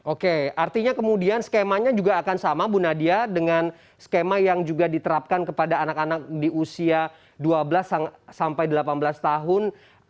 oke artinya kemudian skemanya juga akan sama bu nadia dengan skema yang juga diterapkan kepada anak anak di usia dua belas sampai delapan belas tahun